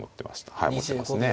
はい思ってますね。